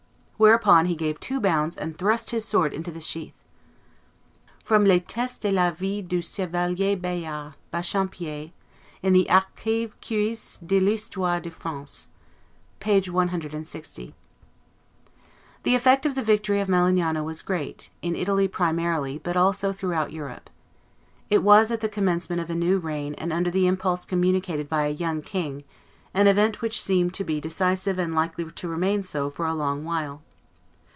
Whereupon he gave two bounds and thrust his sword into the sheath." [Les testes et la Vie du Chevalier Bayard, by Champier, in the Archives curieuses de l'Histoire de France, Series I. t. ii. p. 160.] [Illustration: Bayard Knighting Francis I 19] The effect of the victory of Melegnano was great, in Italy primarily, but also throughout Europe. It was, at the commencement of a new reign and under the impulse communicated by a young king, an event which seemed to be decisive and likely to remain so for a long while.